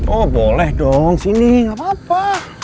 oh boleh dong sini gak apa apa